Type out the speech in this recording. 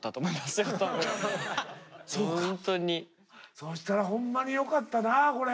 そしたらほんまによかったなこれ。